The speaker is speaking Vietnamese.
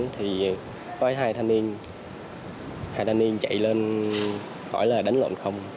thì có hai thanh niên chạy lên khỏi là đánh lộn không